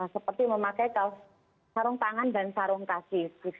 seperti memakai kaos sarung tangan dan sarung kaki